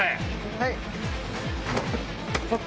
はい。